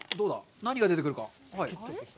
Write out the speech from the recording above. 何が出てくるか？